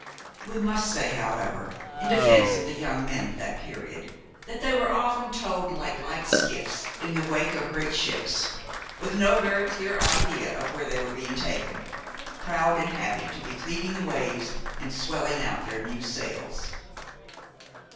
We must say, however, in defence of the young men of that period, that they were often towed like light skiffs in the wake of great ships, with no very clear idea of where they were being taken, proud and happy to be cleaving the waves and swelling out their new sails.